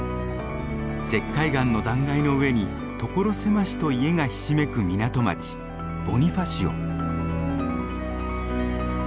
石灰岩の断崖の上に所狭しと家がひしめく港町ボニファシオ。